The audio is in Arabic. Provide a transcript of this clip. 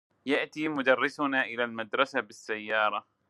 يأتي مدرسنا إلى المدرسة بالسيارة.